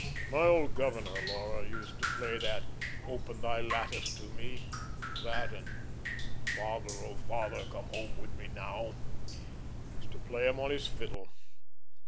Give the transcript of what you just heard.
My old governor, Laura, used to play that 'Open the Lattice to me,' that and 'Father, oh, Father, Come Home with me Now' used to play 'em on his fiddle."